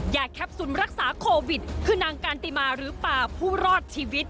แคปซูลรักษาโควิดคือนางการติมาหรือป่าผู้รอดชีวิต